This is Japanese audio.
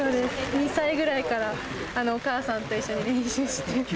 ２歳ぐらいからお母さんと一緒に練習して。